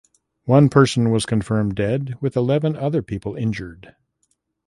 One person was confirmed dead with eleven other people injured.